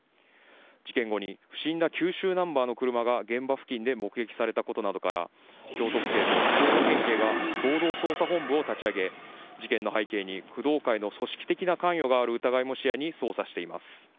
事件後に不審な九州ナンバーの車が現場付近で目撃されたことなどから京都府警と福岡県警が合同捜査本部を立ち上げ事件の背景に工藤会の組織的な関与がある疑いも視野に捜査しています。